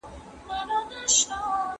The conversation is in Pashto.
ټولنه بايد د ارتقا پړاوونه ووهي.